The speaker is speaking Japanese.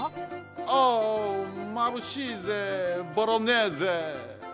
オーまぶしいぜボロネーゼ！